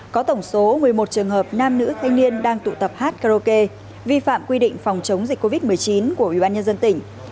có tổng số một mươi một trường hợp nam nữ thanh niên đang tụ tập hát karaoke vi phạm quy định phòng chống dịch covid một mươi chín của ubnd tỉnh